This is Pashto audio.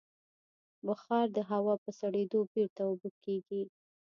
بخار د هوا په سړېدو بېرته اوبه کېږي.